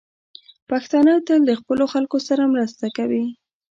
پښتانه تل د خپلو خلکو سره مرسته کوي.